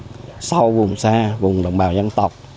vùng sâu vùng xa vùng đồng bào dân tộc